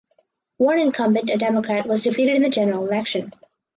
One incumbent (a Democrat) was defeated in the general election.